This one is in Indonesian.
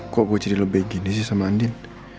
kok gue jadi lebih gini sih sama andin